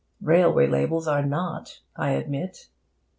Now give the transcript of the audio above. Railway labels are not, I admit.